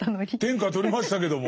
天下取りましたけども。